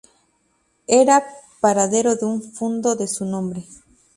Era paradero de un fundo de su nombre.